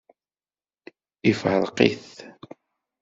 Ifṛeq-it.